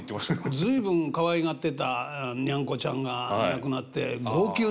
随分かわいがってたにゃんこちゃんが亡くなって号泣されたと。